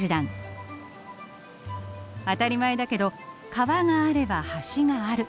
当たり前だけど川があれば橋がある。